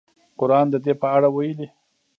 قران د دې په اړه ویلي.